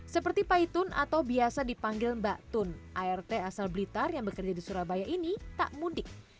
seperti paitun atau biasa dipanggil mbak tun art asal blitar yang bekerja di surabaya ini tak mudik